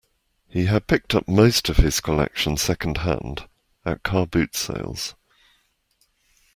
He had picked up most of his collection second-hand, at car boot sales